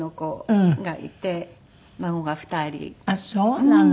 あっそうなの。